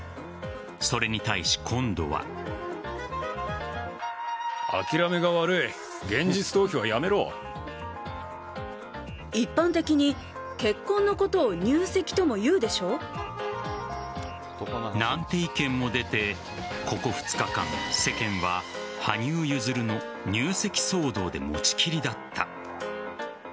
それに対し今度は。なんて意見も出て、ここ２日間世間は羽生結弦の入籍騒動で持ちきりだった。